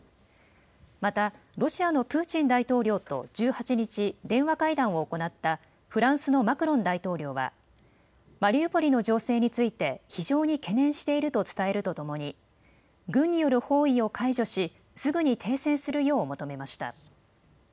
またロシアのプーチン大統領と１８日、電話会談を行ったフランスのマクロン大統領はマリウポリの情勢について非常に懸念していると伝えるとともに軍による包囲を解除しすぐに停戦するよう求めました。